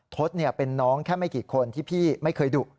ทศเป็นน้องแค่ไม่กี่คนที่พี่ไม่เคยดุ